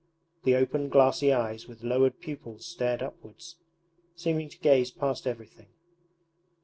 The open glassy eyes with lowered pupils stared upwards, seeming to gaze past everything.